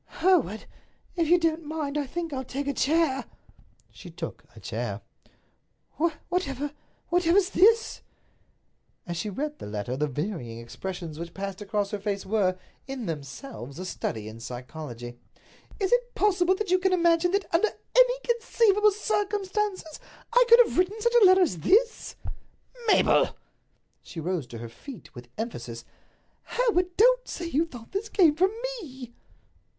"Hereward, if you don't mind, I think I'll take a chair." She took a chair. "Whatever—whatever's this?" As she read the letter the varying expressions which passed across her face were, in themselves, a study in psychology. "Is it possible that you can imagine that, under any conceivable circumstances, I could have written such a letter as this?" "Mabel!" She rose to her feet with emphasis. "Hereward, don't say that you thought this came from me!"